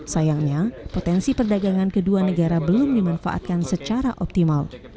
sayangnya potensi perdagangan kedua negara belum dimanfaatkan secara optimal